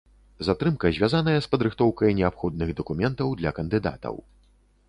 Затрымка звязаная з падрыхтоўкай неабходных дакументаў для кандыдатаў.